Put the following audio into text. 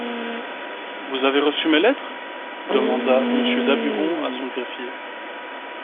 Vous avez reçu mes lettres ? demanda Monsieur Daburon à son greffier.